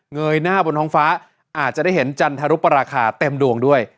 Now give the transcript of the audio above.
ยหน้าบนท้องฟ้าอาจจะได้เห็นจันทรุปราคาเต็มดวงด้วย